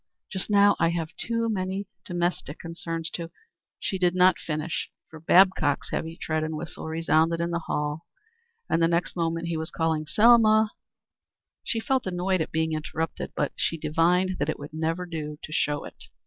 Just now I have too many domestic concerns to " She did not finish, for Babcock's heavy tread and whistle resounded in the hall and at the next moment he was calling "Selma!" She felt annoyed at being interrupted, but she divined that it would never do to show it.